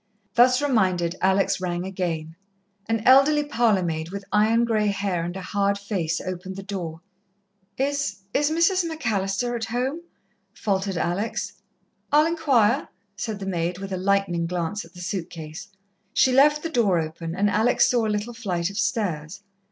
Thus reminded, Alex rang again. An elderly parlour maid with iron grey hair and a hard face opened the door. "Is is Mrs. MacAllister at home?" faltered Alex. "I'll inquire," said the maid, with a lightning glance at the suit case. She left the door open, and Alex saw a little flight of stairs.